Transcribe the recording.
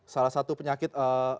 salah satu penyakit